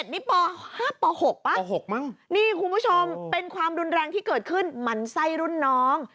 นี่ป๕ป๖ป่ะป๖มั้งนี่คุณผู้ชมเป็นความรุนแรงที่เกิดขึ้นหมั่นไส้รุ่นน้อง